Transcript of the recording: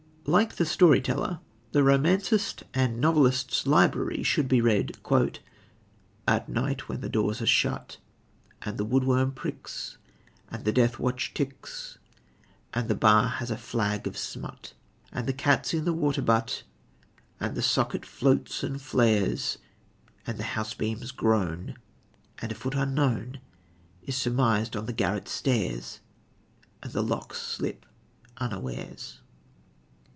Like the Story Teller, The Romancist and Novelist's Library should be read "At night when doors are shut, And the wood worm pricks, And the death watch ticks, And the bar has a flag of smut, And the cat's in the water butt And the socket floats and flares, And the housebeams groan, And a foot unknown Is surmised on the garret stairs, And the locks slip unawares."